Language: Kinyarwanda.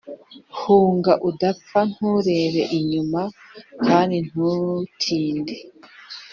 Hunga udapfa Nturebe inyuma kandi ntutinde